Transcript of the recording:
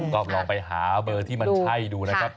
ก็ลองไปหาเบอร์ที่มันใช่ดูนะครับ